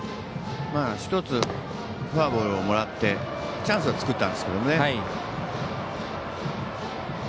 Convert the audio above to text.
１つフォアボールをもらってチャンスは作ったんですけどね。